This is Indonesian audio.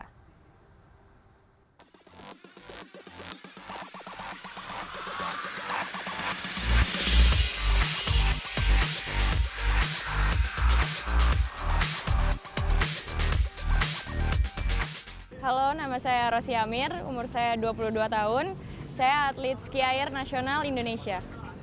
halo nama saya rosy amir umur saya dua puluh dua tahun saya atlet ski air nasional indonesia